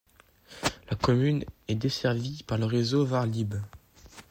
La commune est desservie par le réseau Varlib.